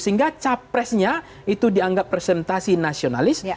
sehingga capresnya itu dianggap presentasi nasionalis